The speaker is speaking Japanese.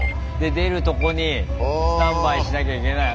出るとこにスタンバイしなきゃいけない。